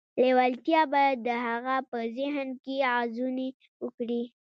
لېوالتیا باید د هغه په ذهن کې غځونې وکړي